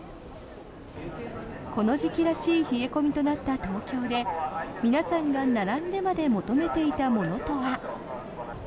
この時期らしい冷え込みとなった東京で皆さんが並んでまで求めていたものとは。